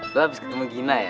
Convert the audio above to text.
lo abis ketemu gina ya